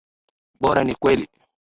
Bora ni kweli.